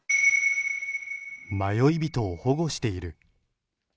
迷い人を保護している。